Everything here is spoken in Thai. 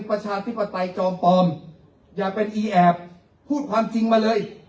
ประชาธิปไตยจอมปลอมอย่าไปอีแอบพูดความจริงมาเลย